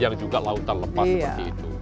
yang juga lautan lepas seperti itu